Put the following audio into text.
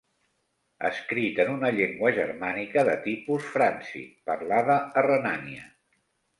Escrit en una llengua germànica de tipus fràncic, parlada a Renània.